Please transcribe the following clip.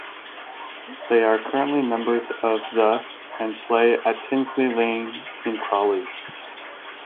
They are currently members of the and play at Tinsley Lane in Crawley.